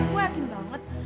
gue yakin banget